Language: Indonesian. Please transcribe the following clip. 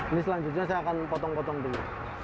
ini selanjutnya saya akan potong potong dulu